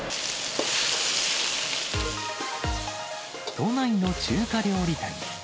都内の中華料理店。